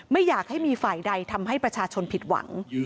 ไม่อยากให้มีฝ่ายใดทำให้ประชาชนผิดหวัง